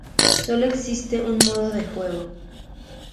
Sólo existe un modo de juego.